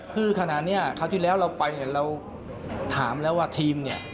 คือขนาดนี้เขาที่แล้วเราไปเราถามแล้วว่าทีม